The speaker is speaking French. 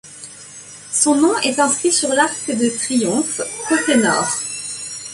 Son nom est inscrit sur l'arc de triomphe, côté nord.